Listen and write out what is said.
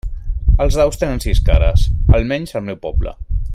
Els daus tenen sis cares, almenys al meu poble.